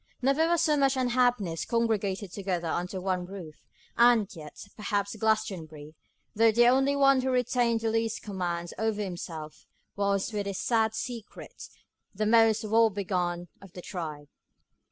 Never was so much unhappiness congregated together under one roof; and yet, perhaps Glastonbury, though the only one who retained the least command over himself, was, with his sad secret, the most woe begone of the tribe.